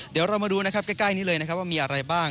เดี๋ยวเรามาดูนะครับใกล้นี้เลยนะครับว่ามีอะไรบ้าง